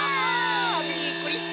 びっくりした！